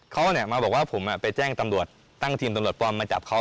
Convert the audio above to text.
เขามาบอกว่าผมไปแจ้งตำรวจตั้งทีมตำรวจปลอมมาจับเขา